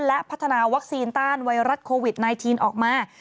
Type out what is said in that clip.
และพัฒนาวัคซีนต้านไวรัสโควิด๑๙ออกมา